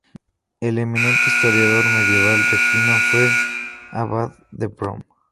El eminente Historiador medieval Regino fue Abad de Prüm.